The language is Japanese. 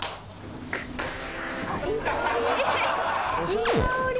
いい香り。